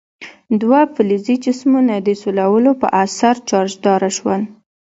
دوه فلزي جسمونه د سولولو په اثر چارجداره شول.